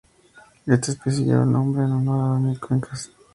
Esta especie lleva el nombre en honor a Daniel Cuentas.